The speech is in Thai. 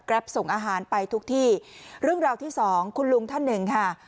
ส่งอาหารไปทุกที่เรื่องราวที่สองคุณลุงท่านหนึ่งค่ะ